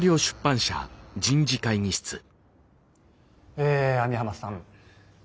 え網浜さん。